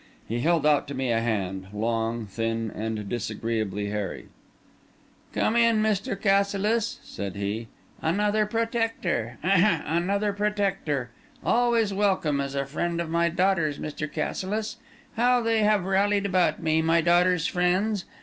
He held out to me a hand, long, thin, and disagreeably hairy. "Come in, come in, Mr. Cassilis," said he. "Another protector—ahem!—another protector. Always welcome as a friend of my daughter's, Mr. Cassilis. How they have rallied about me, my daughter's friends!